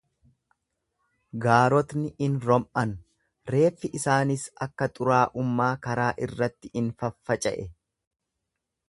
Gaarotni in rom'an, reeffi isaaniis akka xuraa'ummaa karaa irratti in faffaca'e.